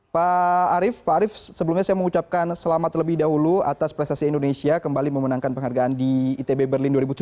pak arief pak arief sebelumnya saya mengucapkan selamat lebih dahulu atas prestasi indonesia kembali memenangkan penghargaan di itb berlin dua ribu tujuh belas